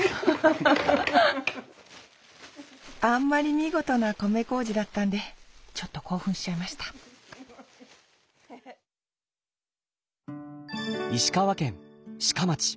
あんまり見事な米こうじだったんでちょっと興奮しちゃいました石川県志賀町。